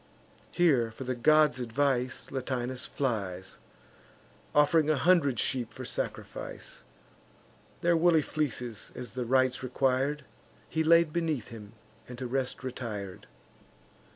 Here, for the gods' advice, Latinus flies, Off'ring a hundred sheep for sacrifice: Their woolly fleeces, as the rites requir'd, He laid beneath him, and to rest retir'd.